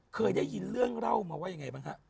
เคยได้ยินเรื่องเล่ามาว่ายังไงบ้างฮะ